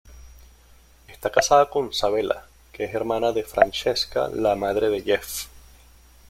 Está casado con Sabella, que es hermana de Francesca, la madre de Jeff.